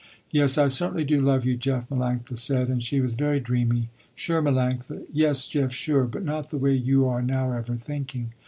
"Yes I certainly do love you Jeff!" Melanctha said and she was very dreamy. "Sure, Melanctha." "Yes Jeff sure, but not the way you are now ever thinking.